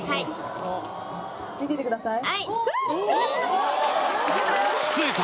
見ててください